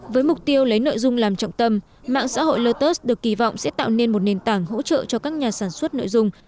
với mục tiêu lấy nội dung làm trọng tâm mạng xã hội lotus được kỳ vọng sẽ tạo nên một nền tảng hỗ trợ cho các nhà sản xuất nội dung